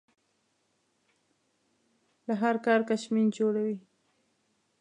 له هر کار کشمیر جوړوي.